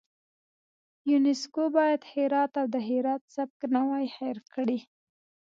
یونسکو باید هرات او د هرات سبک نه وای هیر کړی.